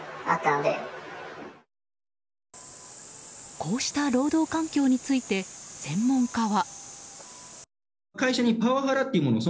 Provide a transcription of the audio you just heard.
こうした労働環境について専門家は。